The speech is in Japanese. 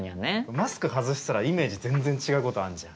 マスク外したらイメージ全然違うことあんじゃん。